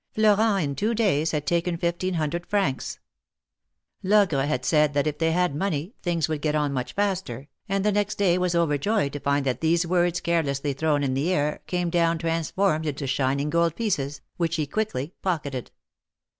Florent in two days had taken fifteen hundred francs. Logre had said that if they had money, things would get on much faster, and the next day was overjoyed to find that these words carelessly thrown in the air, came down transformed into shining gold pieces, which he quickly pocketed.